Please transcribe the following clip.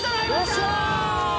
よっしゃー！